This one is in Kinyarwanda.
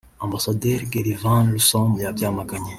Ambasaderi Gerrit Van Rossum yabyamaganye